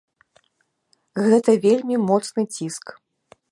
Гэта вельмі моцны ціск.